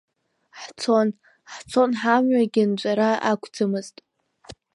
Ҳцон, ҳцон ҳамҩагьы нҵәара ақәӡамызт.